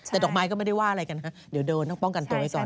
แต่ดอกไม้ก็ไม่ได้ว่าอะไรกันฮะเดี๋ยวเดินต้องป้องกันตัวไว้ก่อน